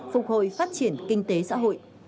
phục hồi phát triển kinh tế xã hội